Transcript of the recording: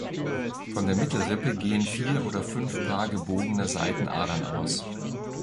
Von der Mittelrippe gehen vier oder fünf Paar gebogener Seitenadern aus.